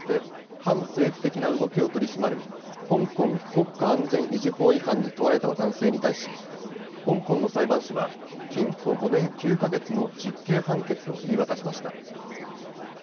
反政府的な動きを取り締まる香港国家安全維持法違反に問われた男性に対し香港の裁判所は禁錮５年９か月の実刑判決を言い渡しました。